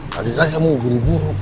kakek kan yang mau guru guru